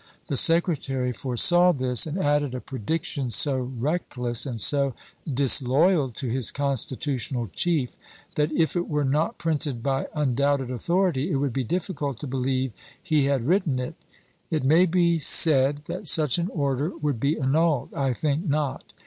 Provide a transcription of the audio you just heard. The Secretary foresaw this, and added a prediction so reckless, and so disloyal to his constitutional chief, that if it were not printed by undoubted authority it would be difficult to believe he had written it: "It • may be said that such an order would be annulled. *^i862^^' I think not.